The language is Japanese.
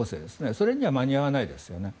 それには間に合わないですよね。